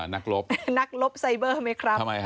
นักรบนักรบไซเบอร์ไหมครับ